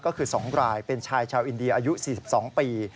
ก็คือ๒รายเป็นชายชาวอินเดียอายุ๔๒ปี